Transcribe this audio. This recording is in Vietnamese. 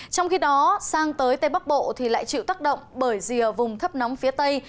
trong khi đó sang tới tây bắc bộ thì lại chịu tác động bởi rìa vùng thấp nóng phía tây